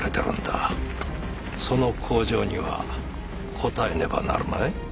その厚情には応えねばなるまい？